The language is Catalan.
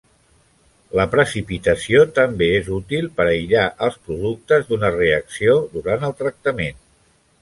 La precipitació també és útil per aïllar els productes d'una reacció durant el tractament.